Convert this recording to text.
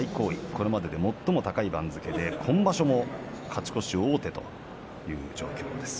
これまでで最も高い番付で今場所、勝ち越し王手という状況です。